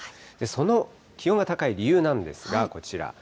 その気温が高い理由なんですが、こちら。